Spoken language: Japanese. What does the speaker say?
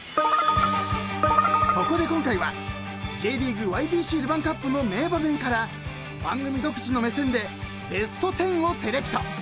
［そこで今回はＪリーグＹＢＣルヴァンカップの名場面から番組独自の目線でベストテンをセレクト］